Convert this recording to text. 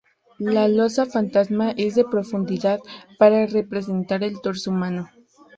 La losa fantasma es de profundidad para representar el torso humano.